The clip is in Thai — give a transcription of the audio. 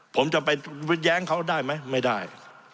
ผมจะไปแย้งเขาได้ไหมไม่ได้